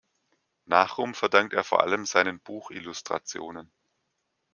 Nachruhm verdankt er vor allem seinen Buchillustrationen.